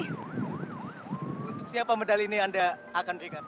untuk siapa medali ini anda akan berikan